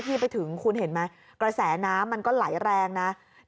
ที่ไปถึงคุณเห็นไหมกระแสน้ำมันก็ไหลแรงนะ